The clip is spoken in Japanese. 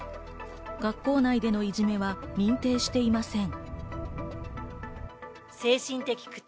学校内でのいじめは認定していません。